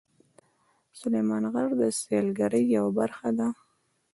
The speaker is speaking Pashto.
سلیمان غر د سیلګرۍ یوه برخه ده.